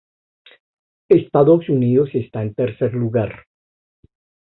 Estados Unidos está en tercer lugar.